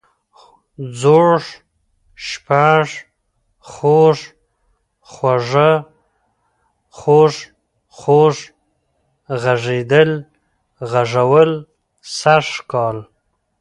ځوږ، شپږ، خوَږ، خُوږه ، خوږ، خوږ ، غږېدل، غږول، سږ کال